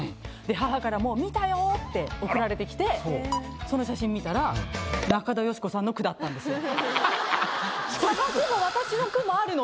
母からも「見たよ」って送られてきてその写真見たら中田喜子さんの句だったんですよ。